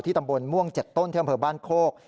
ตำบลม่วง๗ต้นที่อำเภอบ้านโคก